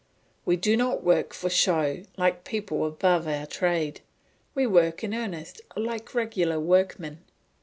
We do not work for show, like people above our trade; we work in earnest like regular workmen.